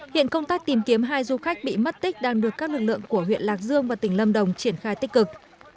hiện công tác tìm kiếm hai du khách bị mất tích đang được các lực lượng của huyện lạc dương và tỉnh lâm đồng triển khai tích cực